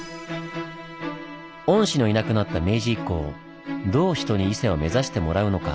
御師のいなくなった明治以降どう人に伊勢を目指してもらうのか。